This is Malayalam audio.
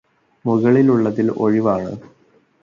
മുകളിലുള്ളതിൽ ഒഴിവാണ്